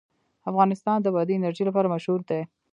افغانستان د بادي انرژي لپاره مشهور دی.